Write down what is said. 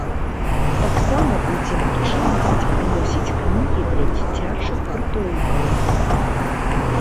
Таксама будзе магчымасць прыносіць кнігі для дзіцячых прытулкаў.